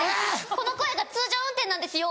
この声が通常運転なんですよ。